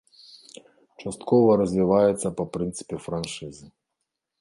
Часткова развіваецца па прынцыпе франшызы.